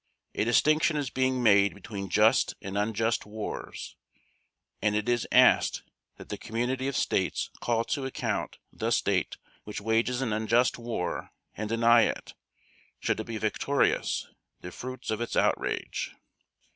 A distinction is being made between just and unjust wars and it is asked that the Community of States call to account the State which wages an unjust war and deny it, should it be victorious, the fruits of its outrage.